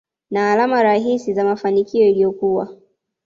na alama rahisi za mafanikio iliyokuwa